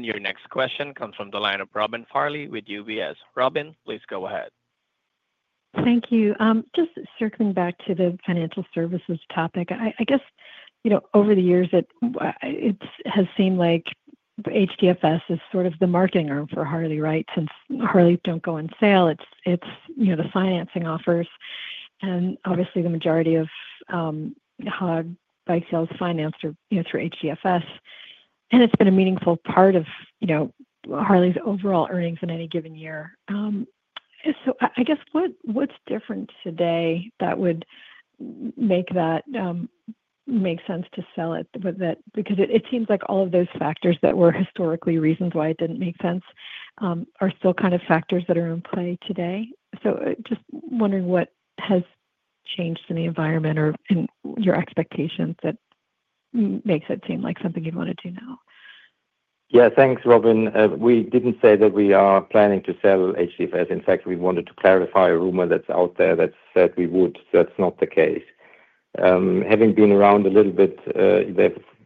Speaker 1: Your next question comes from the line of Robin Farley with UBS. Robin, please go ahead.
Speaker 8: Thank you. Just circling back to the financial services topic, I guess over the years, it has seemed like HDFS is sort of the marketing arm for Harley, right? Since Harley do not go on sale, it is the financing offers. And obviously, the majority of HOG bike sales financed through HDFS. And it has been a meaningful part of Harley's overall earnings in any given year. I guess what is different today that would make that make sense to sell it? Because it seems like all of those factors that were historically reasons why it did not make sense are still kind of factors that are in play today. I am just wondering what has changed in the environment and your expectations that makes it seem like something you would want to do now.
Speaker 3: Yeah. Thanks, Robin. We did not say that we are planning to sell HDFS. In fact, we wanted to clarify a rumor that is out there that said we would. That is not the case. Having been around a little bit,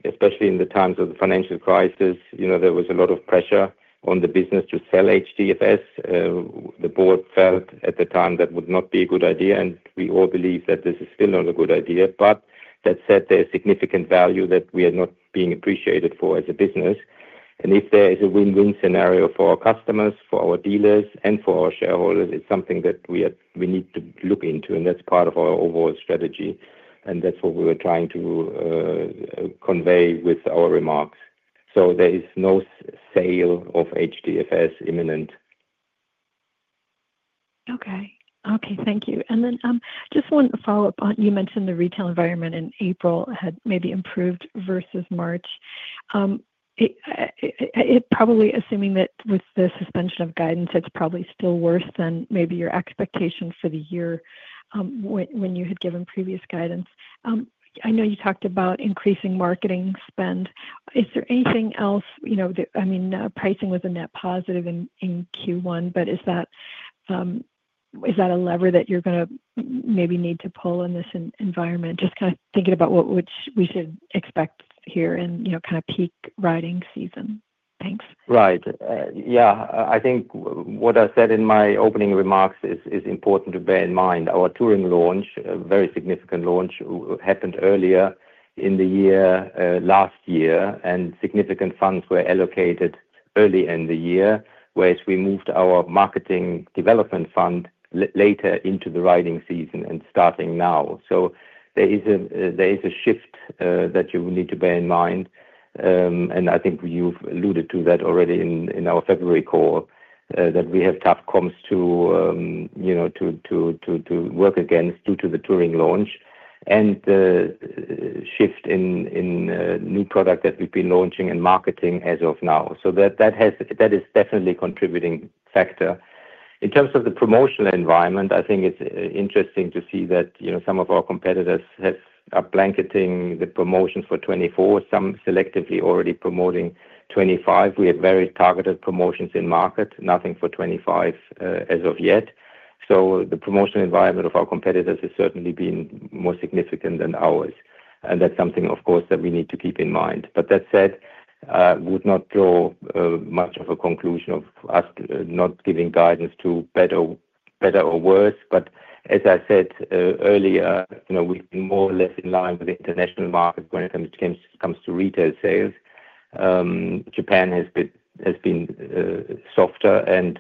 Speaker 3: especially in the times of the financial crisis, there was a lot of pressure on the business to sell HDFS. The board felt at the time that would not be a good idea. We all believe that this is still not a good idea. That said, there is significant value that we are not being appreciated for as a business. If there is a win-win scenario for our customers, for our dealers, and for our shareholders, it is something that we need to look into. That is part of our overall strategy. That is what we were trying to convey with our remarks. There is no sale of HDFS imminent.
Speaker 8: Okay. Okay. Thank you. And then just one follow-up. You mentioned the retail environment in April had maybe improved versus March. Probably assuming that with the suspension of guidance, it's probably still worse than maybe your expectation for the year when you had given previous guidance. I know you talked about increasing marketing spend. Is there anything else? I mean, pricing was a net positive in Q1, but is that a lever that you're going to maybe need to pull in this environment? Just kind of thinking about what we should expect here in kind of peak riding season. Thanks.
Speaker 3: Right. Yeah. I think what I said in my opening remarks is important to bear in mind. Our touring launch, a very significant launch, happened earlier in the year last year, and significant funds were allocated early in the year, whereas we moved our Marketing Development Fund later into the riding season and starting now. There is a shift that you will need to bear in mind. I think you've alluded to that already in our February call, that we have tough comps to work against due to the touring launch and the shift in new product that we've been launching and marketing as of now. That is definitely a contributing factor. In terms of the promotional environment, I think it's interesting to see that some of our competitors are blanketing the promotions for 2024, some selectively already promoting 2025. We have very targeted promotions in market, nothing for 2025 as of yet. The promotional environment of our competitors has certainly been more significant than ours. That is something, of course, that we need to keep in mind. That said, I would not draw much of a conclusion of us not giving guidance to better or worse. As I said earlier, we are more or less in line with the international market when it comes to retail sales. Japan has been softer, and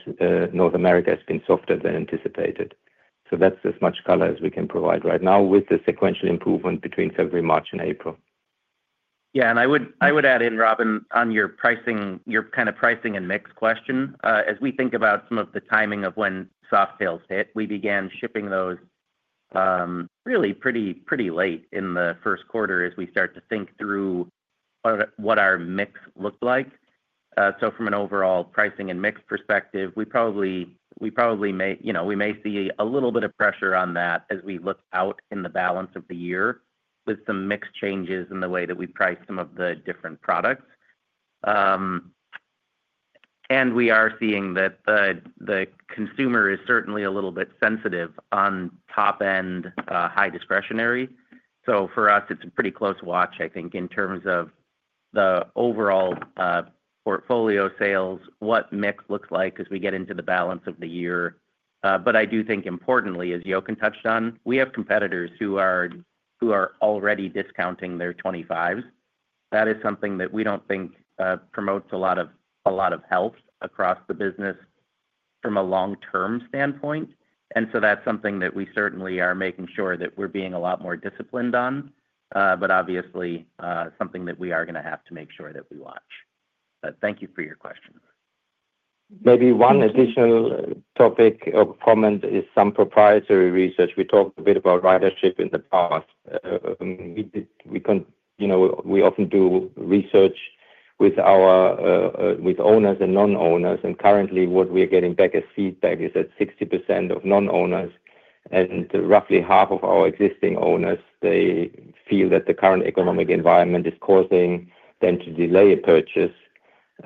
Speaker 3: North America has been softer than anticipated. That is as much color as we can provide right now with the sequential improvement between February, March, and April.
Speaker 4: Yeah. I would add in, Robin, on your kind of pricing and mix question. As we think about some of the timing of when Softail sales hit, we began shipping those really pretty late in the Q1 as we start to think through what our mix looked like. From an overall pricing and mix perspective, we probably may see a little bit of pressure on that as we look out in the balance of the year with some mix changes in the way that we price some of the different products. We are seeing that the consumer is certainly a little bit sensitive on top-end high discretionary. For us, it's a pretty close watch, I think, in terms of the overall portfolio sales, what mix looks like as we get into the balance of the year. I do think importantly, as Jochen touched on, we have competitors who are already discounting their 2025s. That is something that we do not think promotes a lot of health across the business from a long-term standpoint. That is something that we certainly are making sure that we are being a lot more disciplined on, but obviously something that we are going to have to make sure that we watch. Thank you for your question.
Speaker 3: Maybe one additional topic of comment is some proprietary research. We talked a bit about ridership in the past. We often do research with owners and non-owners. Currently, what we are getting back as feedback is that 60% of non-owners and roughly half of our existing owners feel that the current economic environment is causing them to delay a purchase.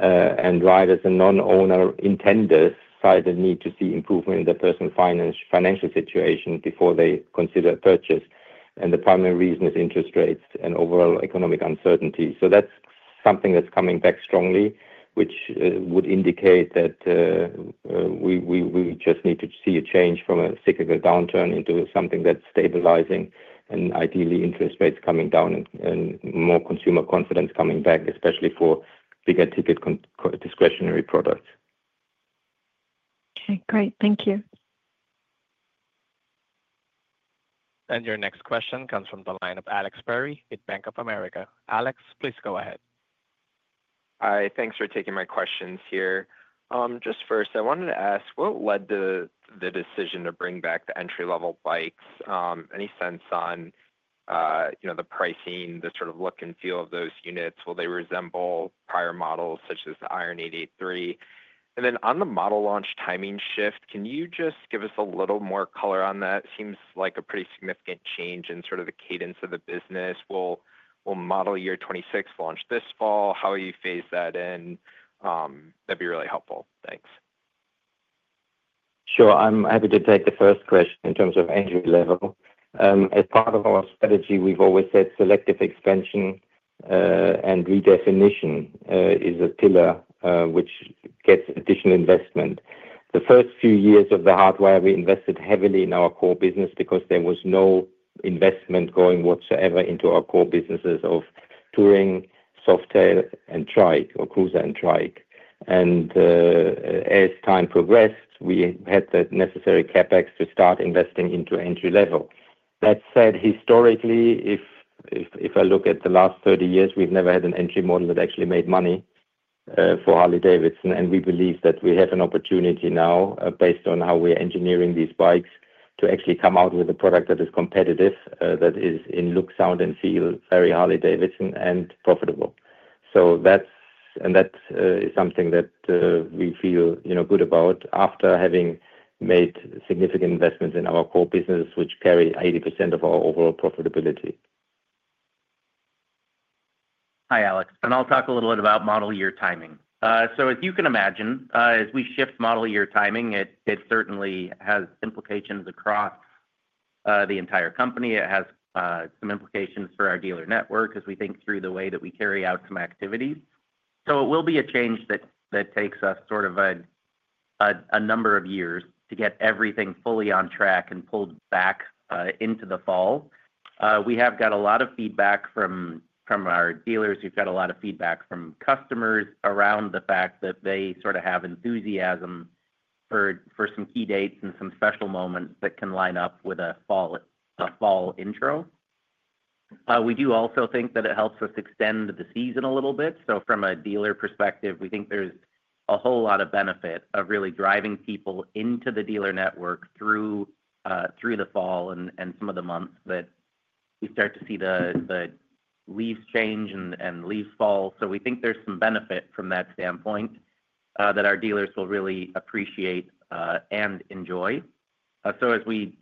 Speaker 3: Riders and non-owner intenders find the need to see improvement in their personal financial situation before they consider a purchase. The primary reason is interest rates and overall economic uncertainty. That is something that is coming back strongly, which would indicate that we just need to see a change from a cyclical downturn into something that is stabilizing and ideally interest rates coming down and more consumer confidence coming back, especially for bigger ticket discretionary products.
Speaker 8: Okay. Great. Thank you.
Speaker 1: Your next question comes from the line of Alex Perry with Bank of America. Alex, please go ahead.
Speaker 9: Hi. Thanks for taking my questions here. Just first, I wanted to ask, what led the decision to bring back the entry-level bikes? Any sense on the pricing, the sort of look and feel of those units? Will they resemble prior models such as the Iron 883? On the model launch timing shift, can you just give us a little more color on that? Seems like a pretty significant change in the cadence of the business. Will model year 2026 launch this fall? How will you phase that in? That'd be really helpful. Thanks.
Speaker 3: Sure. I'm happy to take the first question in terms of entry level. As part of our strategy, we've always said selective expansion and redefinition is a pillar which gets additional investment. The first few years of the Hardwire, we invested heavily in our core business because there was no investment going whatsoever into our core businesses of Touring, Softail, and Trike or Cruiser and Trike. As time progressed, we had the necessary CapEx to start investing into entry level. That said, historically, if I look at the last 30 years, we've never had an entry model that actually made money for Harley-Davidson. We believe that we have an opportunity now, based on how we are engineering these bikes, to actually come out with a product that is competitive, that is in look, sound, and feel very Harley-Davidson and profitable. That is something that we feel good about after having made significant investments in our core businesses, which carry 80% of our overall profitability.
Speaker 4: Hi, Alex. I'll talk a little bit about model year timing. As you can imagine, as we shift model year timing, it certainly has implications across the entire company. It has some implications for our dealer network as we think through the way that we carry out some activities. It will be a change that takes us sort of a number of years to get everything fully on track and pulled back into the fall. We have got a lot of feedback from our dealers. We've got a lot of feedback from customers around the fact that they sort of have enthusiasm for some key dates and some special moments that can line up with a fall intro. We do also think that it helps us extend the season a little bit. From a dealer perspective, we think there's a whole lot of benefit of really driving people into the dealer network through the fall and some of the months that we start to see the leaves change and leaves fall. We think there's some benefit from that standpoint that our dealers will really appreciate and enjoy. As we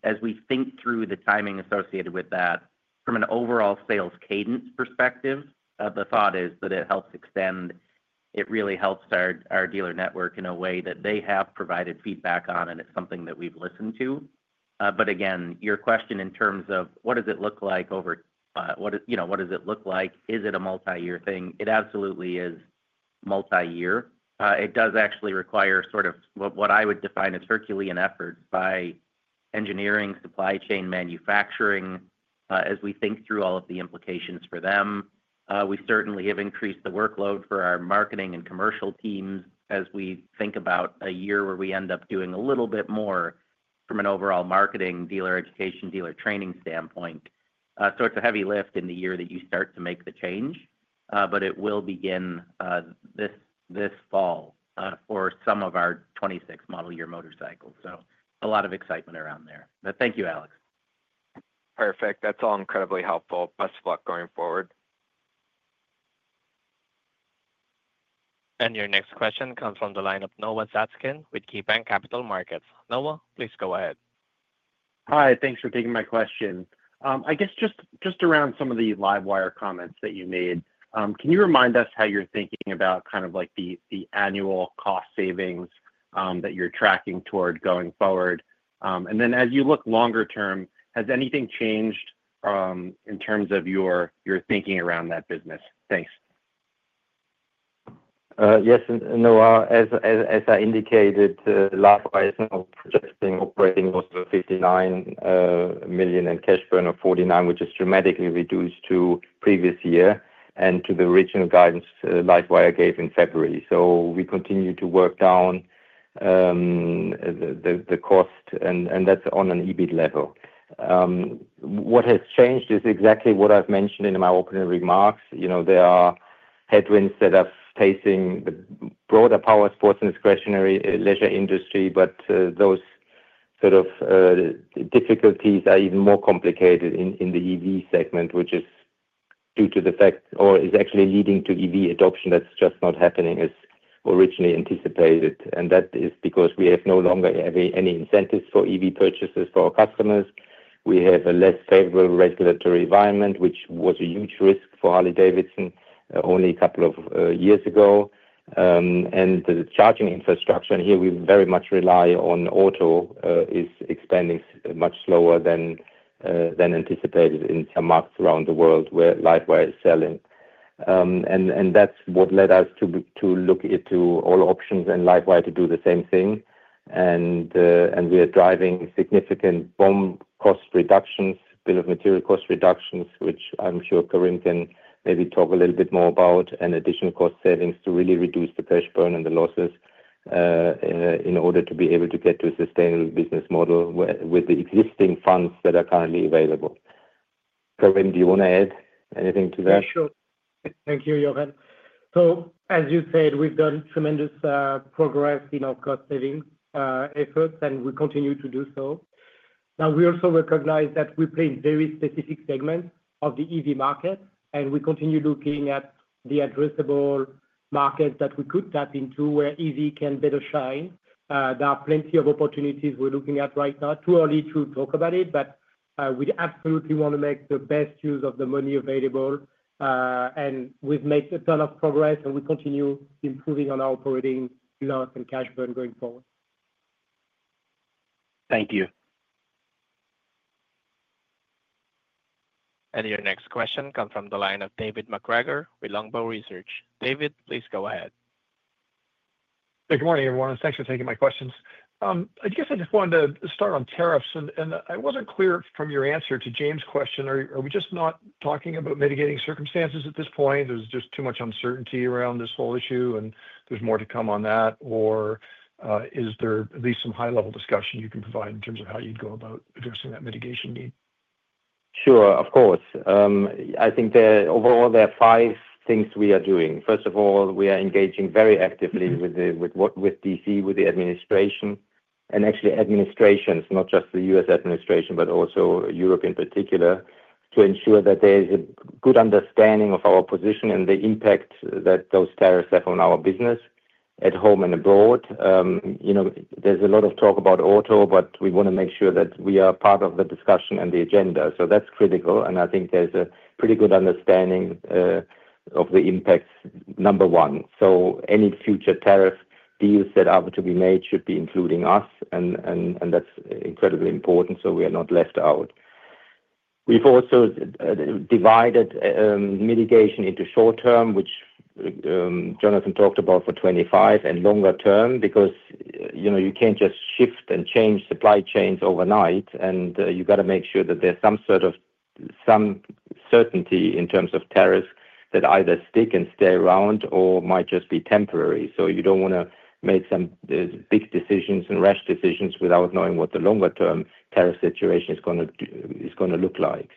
Speaker 4: think through the timing associated with that, from an overall sales cadence perspective, the thought is that it helps extend. It really helps our dealer network in a way that they have provided feedback on, and it's something that we've listened to. Again, your question in terms of what does it look like over what does it look like? Is it a multi-year thing? It absolutely is multi-year. It does actually require sort of what I would define as Herculean efforts by engineering, supply chain, manufacturing. As we think through all of the implications for them, we certainly have increased the workload for our marketing and commercial teams as we think about a year where we end up doing a little bit more from an overall marketing, dealer education, dealer training standpoint. It is a heavy lift in the year that you start to make the change, but it will begin this fall for some of our 2026 model year motorcycles. A lot of excitement around there. Thank you, Alex.
Speaker 9: Perfect. That's all incredibly helpful. Best of luck going forward.
Speaker 1: Your next question comes from the line of Noah Zatzkin with KeyBanc Capital Markets. Noah, please go ahead.
Speaker 10: Hi. Thanks for taking my question. I guess just around some of the LiveWire comments that you made, can you remind us how you're thinking about kind of the annual cost savings that you're tracking toward going forward? As you look longer term, has anything changed in terms of your thinking around that business? Thanks.
Speaker 3: Yes. Noah, as I indicated, LiveWire is now projecting operating loss of $59 million and cash burn of $49 million, which is dramatically reduced to previous year and to the original guidance LiveWire gave in February. We continue to work down the cost, and that's on an EBIT level. What has changed is exactly what I have mentioned in my opening remarks. There are headwinds that are facing the broader powersports and discretionary leisure industry, but those sort of difficulties are even more complicated in the EV segment, which is due to the fact or is actually leading to EV adoption that is just not happening as originally anticipated. That is because we have no longer any incentives for EV purchases for our customers. We have a less favorable regulatory environment, which was a huge risk for Harley-Davidson only a couple of years ago. The charging infrastructure here, we very much rely on auto, is expanding much slower than anticipated in some markets around the world where LiveWire is selling. That is what led us to look into all options and LiveWire to do the same thing. We are driving significant bill of material cost reductions, which I am sure Karim can maybe talk a little bit more about, and additional cost savings to really reduce the cash burn and the losses in order to be able to get to a sustainable business model with the existing funds that are currently available. Karim, do you want to add anything to that?
Speaker 11: Yeah, sure. Thank you, Jochen. As you said, we have done tremendous progress in our cost savings efforts, and we continue to do so. We also recognize that we play in very specific segments of the EV market, and we continue looking at the addressable markets that we could tap into where EV can better shine. There are plenty of opportunities we are looking at right now. Too early to talk about it, but we absolutely want to make the best use of the money available. We have made a ton of progress, and we continue improving on our operating loss and cash burn going forward.
Speaker 10: Thank you.
Speaker 1: Your next question comes from the line of David MacGregor with Longbow Research. David, please go ahead.
Speaker 12: Good morning, everyone. Thanks for taking my questions. I guess I just wanted to start on tariffs. I was not clear from your answer to James' question. Are we just not talking about mitigating circumstances at this point? There is just too much uncertainty around this whole issue, and there is more to come on that. Is there at least some high-level discussion you can provide in terms of how you would go about addressing that mitigation need?
Speaker 3: Sure, of course. I think overall, there are five things we are doing. First of all, we are engaging very actively with D.C., with the administration, and actually administrations, not just the U.S. administration, but also Europe in particular, to ensure that there is a good understanding of our position and the impact that those tariffs have on our business at home and abroad. There is a lot of talk about auto, but we want to make sure that we are part of the discussion and the agenda. That is critical. I think there is a pretty good understanding of the impacts, number one. Any future tariff deals that are to be made should be including us, and that is incredibly important so we are not left out. We've also divided mitigation into short term, which Jonathan talked about for 2025, and longer term because you can't just shift and change supply chains overnight, and you've got to make sure that there's some sort of certainty in terms of tariffs that either stick and stay around or might just be temporary. You don't want to make some big decisions and rash decisions without knowing what the longer-term tariff situation is going to look like.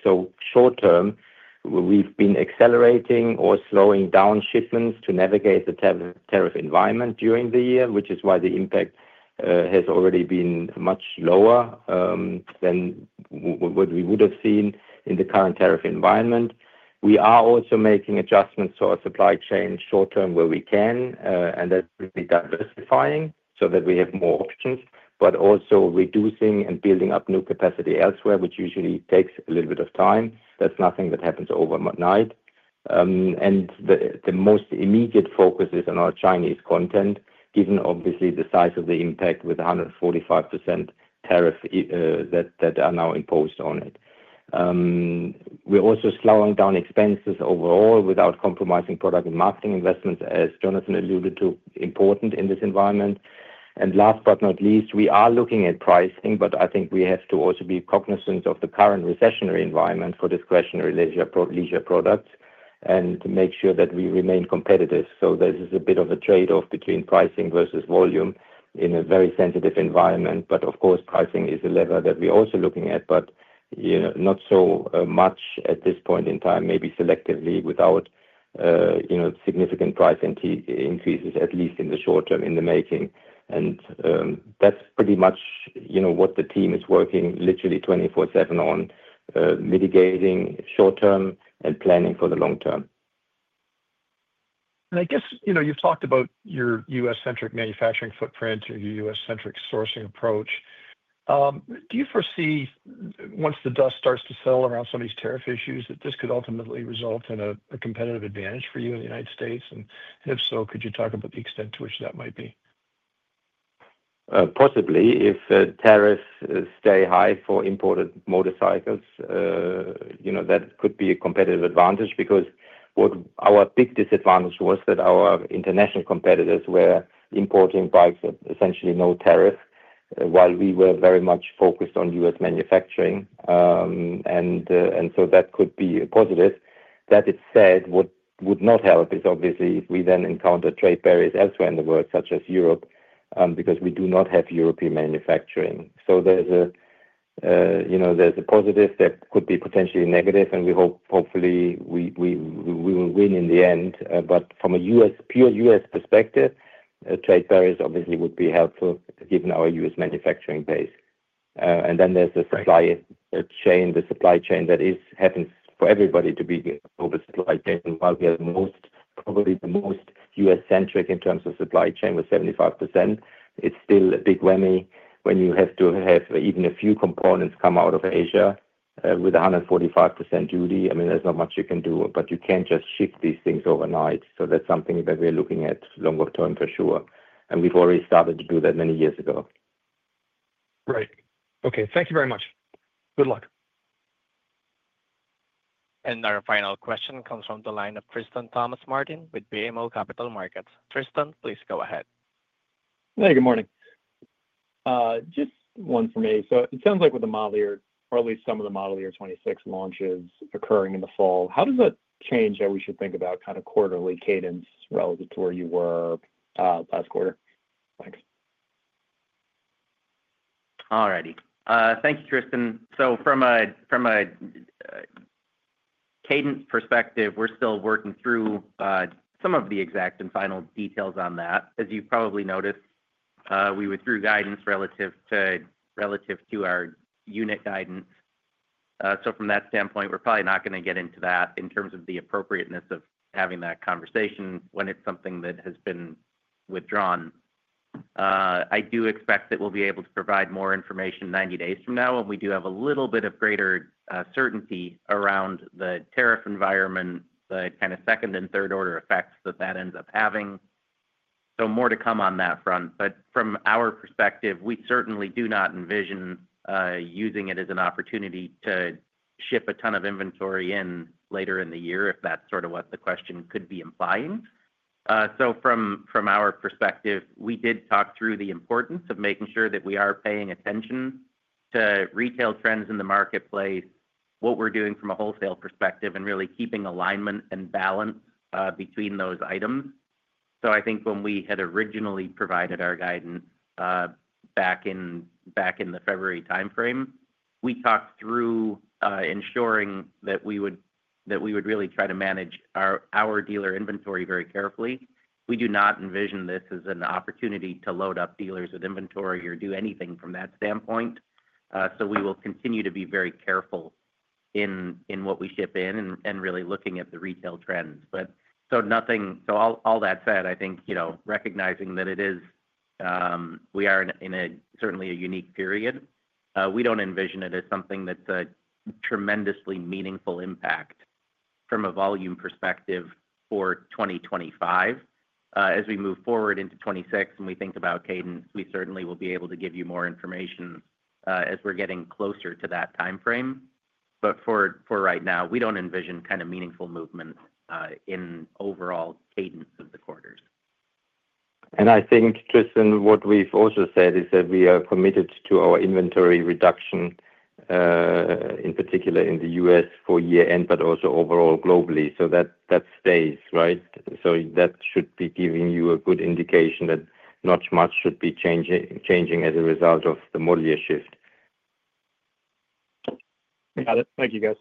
Speaker 3: Short term, we've been accelerating or slowing down shipments to navigate the tariff environment during the year, which is why the impact has already been much lower than what we would have seen in the current tariff environment. We are also making adjustments to our supply chain short term where we can, and that's really diversifying so that we have more options, but also reducing and building up new capacity elsewhere, which usually takes a little bit of time. That is nothing that happens overnight. The most immediate focus is on our Chinese content, given obviously the size of the impact with 145% tariff that are now imposed on it. We are also slowing down expenses overall without compromising product and marketing investments, as Jonathan alluded to, important in this environment. Last but not least, we are looking at pricing, but I think we have to also be cognizant of the current recessionary environment for discretionary leisure products and to make sure that we remain competitive. There is a bit of a trade-off between pricing versus volume in a very sensitive environment. Of course, pricing is a lever that we're also looking at, but not so much at this point in time, maybe selectively without significant price increases, at least in the short term in the making. That is pretty much what the team is working literally 24/7 on, mitigating short term and planning for the long term.
Speaker 12: I guess you've talked about your U.S.-centric manufacturing footprint or your U.S.-centric sourcing approach. Do you foresee, once the dust starts to settle around some of these tariff issues, that this could ultimately result in a competitive advantage for you in the United States? If so, could you talk about the extent to which that might be?
Speaker 3: Possibly. If tariffs stay high for imported motorcycles, that could be a competitive advantage because what our big disadvantage was that our international competitors were importing bikes at essentially no tariff, while we were very much focused on U.S. manufacturing. That could be a positive. That said, what would not help is obviously if we then encounter trade barriers elsewhere in the world, such as Europe, because we do not have European manufacturing. There is a positive that could be potentially negative, and we hope hopefully we will win in the end. From a pure U.S. perspective, trade barriers obviously would be helpful given our U.S. manufacturing base. There is the supply chain. The supply chain that happens for everybody to be global supply chain. While we are probably the most U.S.-centric in terms of supply chain, with 75%, it's still a big whammy when you have to have even a few components come out of Asia with 145% duty. I mean, there's not much you can do, but you can't just shift these things overnight. That is something that we're looking at longer term for sure. We have already started to do that many years ago.
Speaker 12: Right. Okay. Thank you very much. Good luck.
Speaker 1: Our final question comes from the line of Tristan Thomas-Martin with BMO Capital Markets. Tristan, please go ahead.
Speaker 13: Hey, good morning. Just one for me. It sounds like with the model year, or at least some of the model year 2026 launches occurring in the fall, how does that change how we should think about kind of quarterly cadence relative to where you were last quarter? Thanks.
Speaker 4: All righty. Thank you, Tristan. From a cadence perspective, we're still working through some of the exact and final details on that. As you've probably noticed, we withdrew guidance relative to our unit guidance. From that standpoint, we're probably not going to get into that in terms of the appropriateness of having that conversation when it's something that has been withdrawn. I do expect that we'll be able to provide more information 90 days from now when we do have a little bit of greater certainty around the tariff environment, the kind of second and third-order effects that that ends up having. More to come on that front. From our perspective, we certainly do not envision using it as an opportunity to ship a ton of inventory in later in the year if that's sort of what the question could be implying. From our perspective, we did talk through the importance of making sure that we are paying attention to retail trends in the marketplace, what we're doing from a wholesale perspective, and really keeping alignment and balance between those items. I think when we had originally provided our guidance back in the February timeframe, we talked through ensuring that we would really try to manage our dealer inventory very carefully. We do not envision this as an opportunity to load up dealers with inventory or do anything from that standpoint. We will continue to be very careful in what we ship in and really looking at the retail trends. All that said, I think recognizing that we are in certainly a unique period, we do not envision it as something that's a tremendously meaningful impact from a volume perspective for 2025. As we move forward into 2026 and we think about cadence, we certainly will be able to give you more information as we're getting closer to that timeframe. For right now, we don't envision kind of meaningful movements in overall cadence of the quarters.
Speaker 3: I think, Tristan, what we've also said is that we are committed to our inventory reduction, in particular in the U.S. for year-end, but also overall globally. That stays, right? That should be giving you a good indication that not much should be changing as a result of the model year shift.
Speaker 13: Got it. Thank you, guys.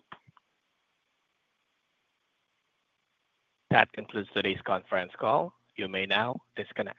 Speaker 1: That concludes today's conference call. You may now disconnect.